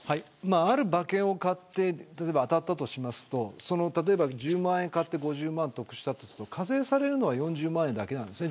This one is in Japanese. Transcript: ある馬券を買って当たったとすると例えば１０万円買って５０万円得したとすると課税されるのは４０万円だけです。